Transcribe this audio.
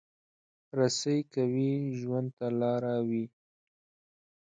رسۍ که وي، ژوند ته لاره وي.